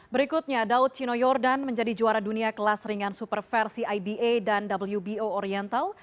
berikutnya daud chino yordan menjadi juara dunia kelas ringan super versi iba dan wbo oriental